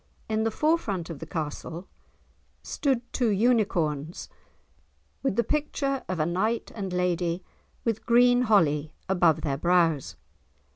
In the forefront of the castle stood two unicorns, with the picture of a knight and lady with green holly above their brows.